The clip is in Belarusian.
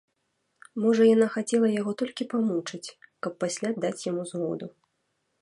Можа, яна хацела яго толькі памучыць, каб пасля даць яму згоду.